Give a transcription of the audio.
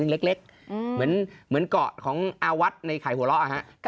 ซึ่งเล็กเหมือนเกาะของอาวัตรในไข่หัวเลาะ